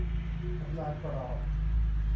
ทำลายกรอบ